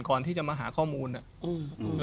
ก่อนที่จะมาหาข้อมูล